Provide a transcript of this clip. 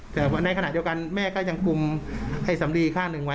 แต่ในขณะเดียวกันแม่ก็ยังคุมไอ้สำลีข้างหนึ่งไว้